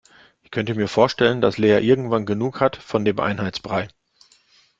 Ich könnte mir vorstellen, dass Lea irgendwann genug hat von dem Einheitsbrei.